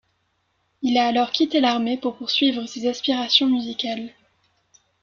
Il a alors quitté l'armée pour poursuivre ses aspirations musicales.